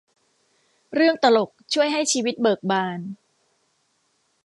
เรื่องตลกช่วยให้ชีวิตเบิกบาน